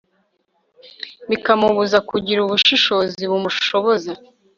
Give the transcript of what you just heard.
bikamubuza kugira ubushishozi bumushoboza